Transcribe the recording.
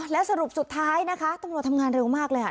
และสรุปสุดท้ายนะคะตำรวจทำงานเร็วมากเลยอ่ะ